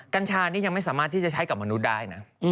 กัญชานี่ยังไม่สามารถที่จะใช้กับมนุษย์ได้นะ